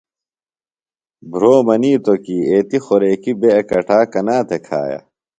بُھروۡ منِیتوۡ کی ایتیۡ خوریکیۡ بےۡ اکٹا کنا تھےۡ کھایہ ؟